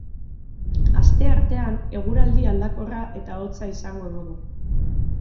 Asteartean eguraldi aldakorra eta hotza izango dugu.